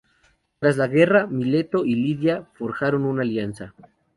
Tras la guerra, Mileto y Lidia forjaron una alianza.